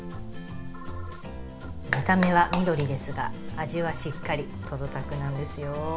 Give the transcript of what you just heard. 見た目は緑ですが味はしっかりトロたくなんですよ。